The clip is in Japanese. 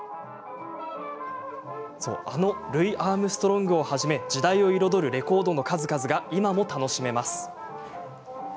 あのルイ・アームストロングをはじめ、時代を彩るレコードの数々が今も楽しめます。